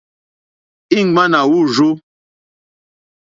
Ìŋwánà wûrzú.